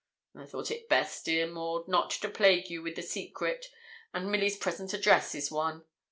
'I thought it best, dear Maud, not to plague you with a secret, and Milly's present address is one.